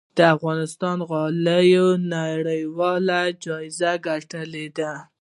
د افغانستان غالۍ نړیوال جایزې ګټلي دي